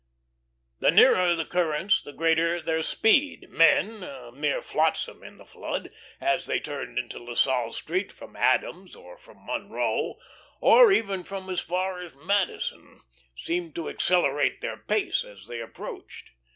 The nearer the currents the greater their speed. Men mere flotsam in the flood as they turned into La Salle Street from Adams or from Monroe, or even from as far as Madison, seemed to accelerate their pace as they approached.